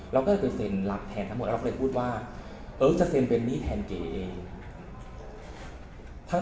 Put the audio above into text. เราก็เลยเซ็นรับแทนทั้งหมดแล้วเราก็เลยพูดว่าจะเซ็นเป็นหนี้แทนเก๋เอง